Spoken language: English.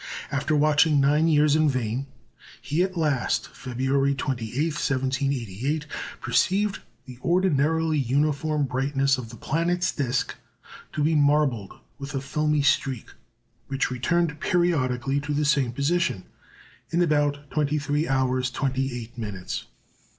After watching nine years in vain, he at last, February 28, 1788, perceived the ordinarily uniform brightness of the planet's disc to be marbled with a filmy streak, which returned periodically to the same position in about twenty three hours twenty eight minutes.